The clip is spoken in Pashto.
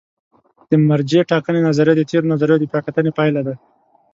د مرجع ټاکنې نظریه د تېرو نظریو د بیا کتنې پایله ده.